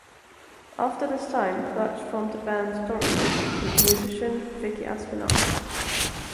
After this time, Birch formed the band Dorothy, with musician Vicky Aspinall.